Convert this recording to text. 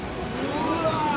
うわ！